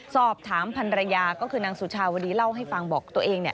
สอบถามพันรยาก็คือนางสุชาวดีเล่าให้ฟังบอกตัวเองเนี่ย